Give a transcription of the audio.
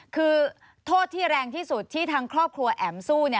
คือโทษที่แรงที่สุดที่ทางครอบครัวแอ๋มสู้